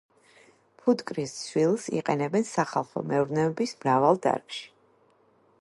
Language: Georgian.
ფუტკრის ცვილს იყენებენ სახალხო მეურნეობის მრავალ დარგში.